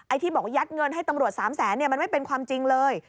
ที่บอกยัดเงินให้ตำรวจ๓แสนมันไม่เป็นความจริงเลย